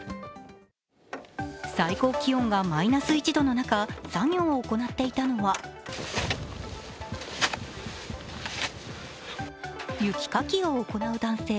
最高気温がマイナス１度の中作業を行っていたのは雪かきを行う男性。